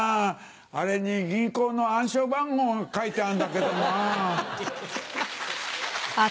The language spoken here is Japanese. あれに銀行の暗証番号が書いてあんだけどなぁ。